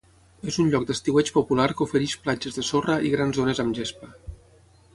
És un lloc d'estiueig popular que ofereix platges de sorra i grans zones amb gespa.